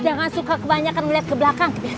jangan suka kebanyakan melihat ke belakang